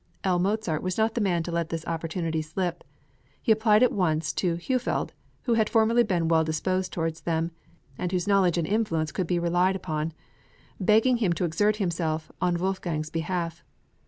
L. Mozart was not the man to let this opportunity slip. He applied at once to Heufeld, who had formerly been well disposed towards them, and whose knowledge and influence could be relied on, begging him to exert himself on Wolfgang's behalf.